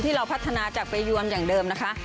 เราพัฒนาจากไปยวมอย่างเดิมนะคะ